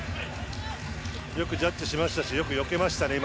よくジャッジしましたし今のはよくよけましたね。